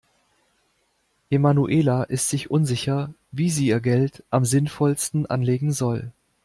Emanuela ist sich unsicher, wie sie ihr Geld am sinnvollsten anlegen soll.